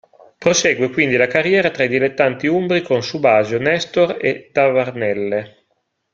Prosegue quindi la carriera tra i dilettanti umbri con Subasio, Nestor e Tavernelle.